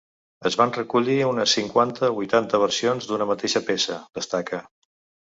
“Es van recollir unes cinquanta o vuitanta versions d’una mateixa peça”, destaca.